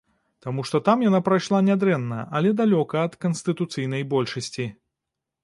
Таму што там яна прайшла нядрэнна, але далёка ад канстытуцыйнай большасці.